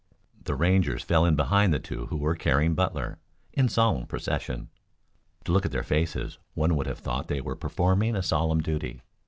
The Rangers fell in behind the two who were carrying Butler, in solemn procession. To look at their faces one would have thought they were performing a solemn duty.